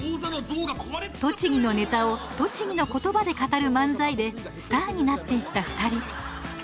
栃木のネタを栃木の言葉で語る漫才でスターになっていった２人。